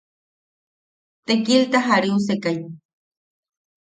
Tekilta jariusekai.